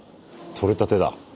取れたてだ。